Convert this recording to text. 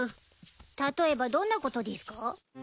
例えばどんなことでぃすか？